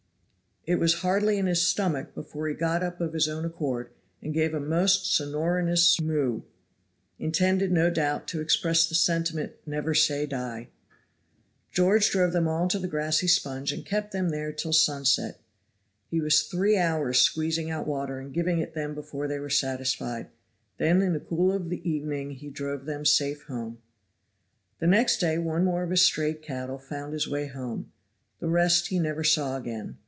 It was hardly in his stomach before he got up of his own accord, and gave a most sonorous moo, intended no doubt to express the sentiment of "never say die." George drove them all to the grassy sponge, and kept them there till sunset. He was three hours squeezing out water and giving it them before they were satisfied. Then in the cool of the evening he drove them safe home. The next day one more of his strayed cattle found his way home. The rest he never saw again.